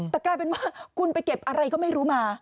แต่กลายเป็นว่าคุณไปเก็บอะไรก็ไม่รู้มา